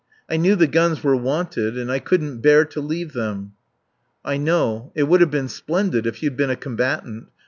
I knew the guns were wanted, and I couldn't bear to leave them." "I know, it would have been splendid if you'd been a combatant.